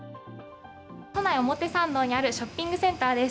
都内、表参道にあるショッピングセンターです。